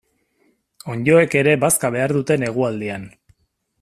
Onddoek ere bazka behar dute negualdian.